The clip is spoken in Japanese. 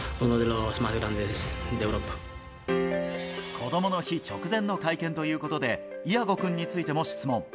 こどもの日直前の会見ということで、イアゴ君についても質問。